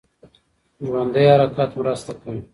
ژوندی حرکت مرسته کوي.